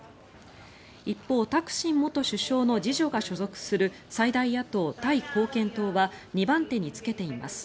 一方、タクシン元首相の次女が所属する最大野党・タイ貢献党は２番手につけています。